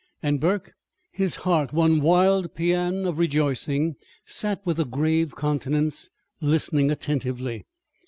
And Burke, his heart one wild pæan of rejoicing, sat with a grave countenance, listening attentively.